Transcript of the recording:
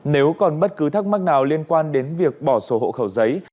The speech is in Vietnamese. nếu còn bất cứ thắc mắc nào liên quan đến việc bỏ sổ hộ khẩu giấy